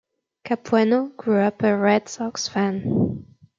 Capuano grew up a Red Sox fan.